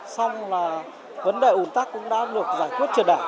xong là vấn đề ủn tắc cũng đã được giải quyết triệt đẻ